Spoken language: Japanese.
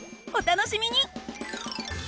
お楽しみに！